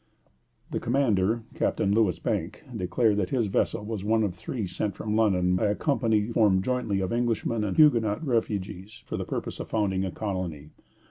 The commander, Captain Louis Bank, declared that his vessel was one of three sent from London by a company formed jointly of Englishmen and Huguenot refugees for the purpose of founding a colony.